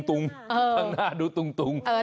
หรือชอบเห็นตัวได้